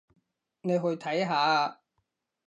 你去睇下吖